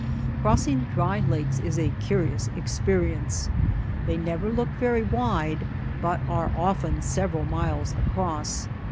Crossing dry lakes is a curious experience. They never look very wide, but are often several miles across.